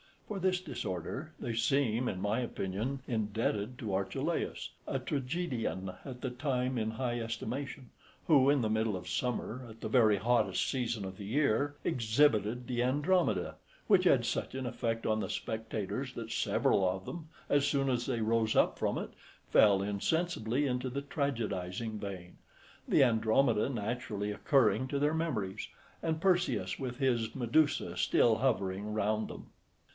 For this disorder they seem, in my opinion, indebted to Archelaus, a tragedian at that time in high estimation, who, in the middle of summer, at the very hottest season {18b} of the year, exhibited the Andromeda, which had such an effect on the spectators that several of them, as soon as they rose up from it, fell insensibly into the tragedising vein; the Andromeda naturally occurring to their memories, and Perseus, with his Medusa, still hovering round them.